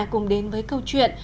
cùng đến với câu chuyện